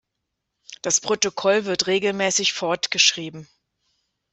Das Protokoll wird regelmäßig fortgeschrieben.